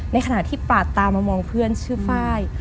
ในขณะที่ปาดตามามองเพื่อนชื่อไฟล์